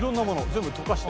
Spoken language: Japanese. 全部溶かして。